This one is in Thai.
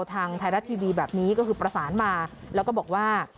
ทางไทยรัฐทีวีแบบนี้ก็คือประสานมาแล้วก็บอกว่า